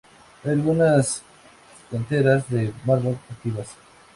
Hay algunas canteras de mármol activas.